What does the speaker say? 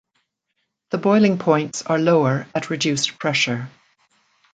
The boiling points are lower at reduced pressure.